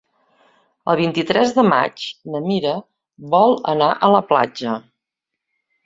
El vint-i-tres de maig na Mira vol anar a la platja.